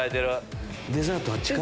デザートあっちか。